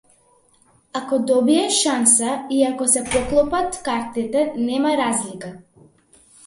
Ако добиеш шанса и ако се поклопат картите, нема разлика.